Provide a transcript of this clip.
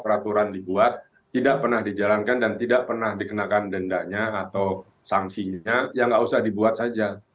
peraturan dibuat tidak pernah dijalankan dan tidak pernah dikenakan dendanya atau sanksinya ya nggak usah dibuat saja